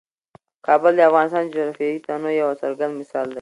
کابل د افغانستان د جغرافیوي تنوع یو څرګند مثال دی.